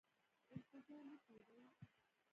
انتظار نه کېدی.